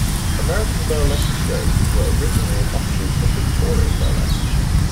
American burlesque shows were originally an offshoot of Victorian burlesque.